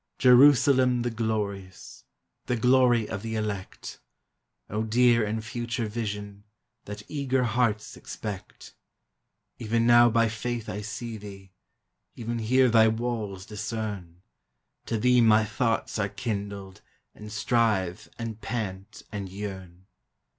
Jerusalem the glorious! The glory of the Elect ! O dear and future vision That eager hearts expect ! Even now by faith I see thee, Even here thy walls discern; To thee my thoughts are kindled, And strive, and pant, and yearn. DEATH: IMMORTALITY: HEAVEN.